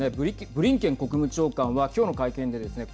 ブリンケン国務長官はきょうの会見でですね